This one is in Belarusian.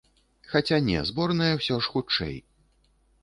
Хаця, не, зборная ўсё ж хутчэй.